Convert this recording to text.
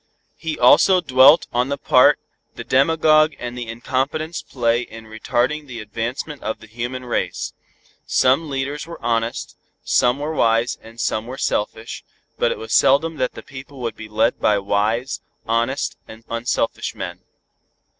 He also dwelt on the part the demagogue and the incompetents play in retarding the advancement of the human race. Some leaders were honest, some were wise and some were selfish, but it was seldom that the people would be led by wise, honest and unselfish men.